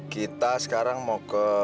kita sekarang mau ke